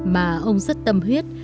mà ông rất tâm huyết